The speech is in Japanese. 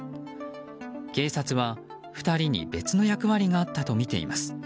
警察は、２人に別の役割があったとみています。